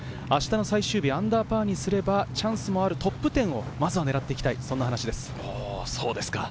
明日の最終日、アンダーパーにすれば、チャンスもある、トップ１０をまずは狙っていきたいという話です。